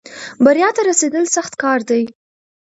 بریا ته رسېدل سخت کار دی.